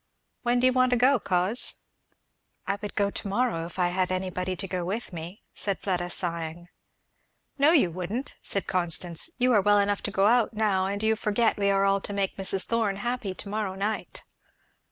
"When do you want to go, coz?" "I would to morrow, if I had anybody to go with me," said Fleda sighing. "No you wouldn't," said Constance, "you are well enough to go out now, and you forget we are all to make Mrs. Thorn happy to morrow night."